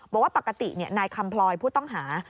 บอกว่าปกตินายคำพลอยผู้ต้องหา